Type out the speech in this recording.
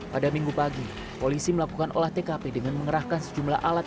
pada minggu pagi polisi melakukan olah tkp dengan mengerahkan sejumlah alat